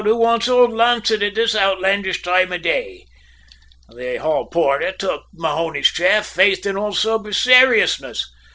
Who wants ould Lancett at this outlandish toime of day?' "The hall porter took Mahony's chaff, faith, in all sober sayriousness.